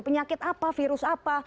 penyakit apa virus apa